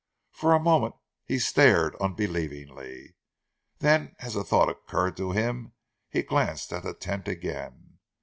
For a moment he stared unbelievingly; then as a thought occurred to him he glanced at the tent again.